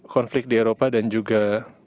konflik di eropa dan juga